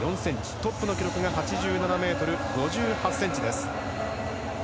トップの記録が８７ｍ５８ｃｍです。